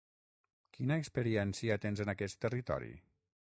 Quina experiència tens en aquest territori?